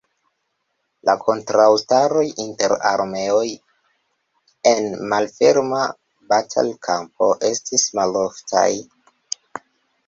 La kontraŭstaroj inter armeoj en malferma batalkampo estis maloftaj.